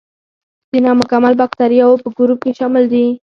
د نامکمل باکتریاوو په ګروپ کې شامل دي.